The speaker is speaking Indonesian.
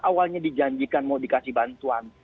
awalnya dijanjikan mau dikasih bantuan